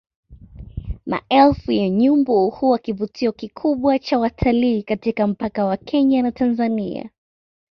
Maelfu ya nyumbu huwa kivutio kikubwa cha watalii katika mpaka wa Kenya na Tanzania